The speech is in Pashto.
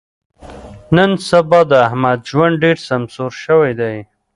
نن سبا د احمد ژوند ډېر سمسور شوی دی.